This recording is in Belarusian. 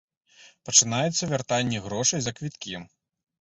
Пачынаецца вяртанне грошай за квіткі.